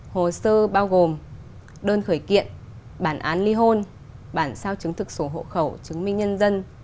hồ sơ bao gồm đơn khởi kiện bản án ly hôn bản sao chứng thực sổ hộ khẩu chứng minh nhân dân